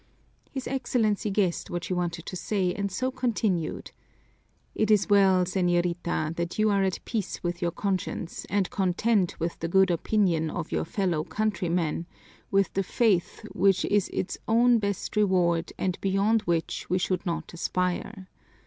His Excellency guessed what she wanted to say, and so continued: "It is well, señorita, that you are at peace with your conscience and content with the good opinion of your fellow countrymen, with the faith which is its own best reward and beyond which we should not aspire.